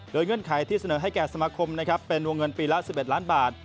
เงื่อนไขที่เสนอให้แก่สมาคมนะครับเป็นวงเงินปีละ๑๑ล้านบาท